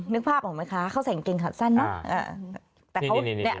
นึกภาพออกไหมคะเขาใส่กางเกงขาสั้นเนอะ